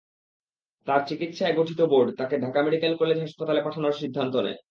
তাঁর চিকিৎসায় গঠিত বোর্ড তাঁকে ঢাকা মেডিকেল কলেজ হাসপাতালে পাঠানোর সিদ্ধান্ত নেয়।